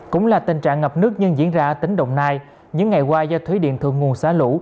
cũng là tình trạng ngập nước nhưng diễn ra ở tỉnh đồng nai những ngày qua do thủy điện thượng nguồn xả lũ